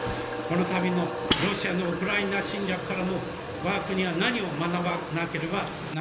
この度のロシアのウクライナ侵略からも、わが国は何を学ばなければならないのでありましょうか。